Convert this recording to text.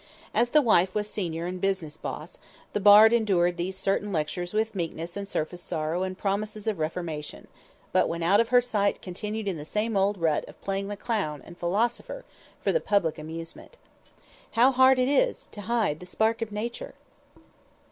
As the wife was senior and business boss, the Bard endured these curtain lectures with meekness and surface sorrow and promises of reformation, but, when out of her sight continued in the same old rut of playing the clown and philosopher for the public amusement. _"How hard it is to hide the spark of Nature!"